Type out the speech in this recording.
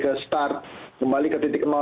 ke start kembali ke titik